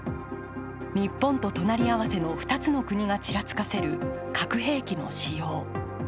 日本と隣り合わせの２つの国がちらつかせる核兵器の使用。